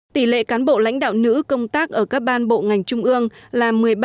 tỷ lệ cán bộ lãnh đạo nữ công tác ở các ban bộ ngành trung ương là một mươi ba